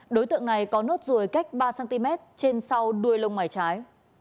đối tượng này có nốt ruồi cách ba cm trên sau đuôi lông mày trái